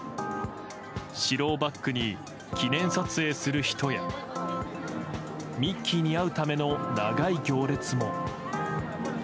城をバックに、記念撮影する人やミッキーに会うための長い行列も。